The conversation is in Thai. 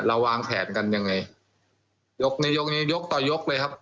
วางแผนกันยังไงยกในยกนี้ยกต่อยกเลยครับ